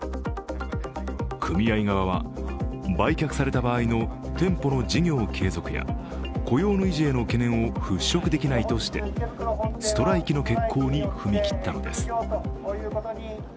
組合側は売却された場合の店舗の事業継続や雇用の維持への懸念を払拭できないとしてストライキの決行に踏み切ったのです。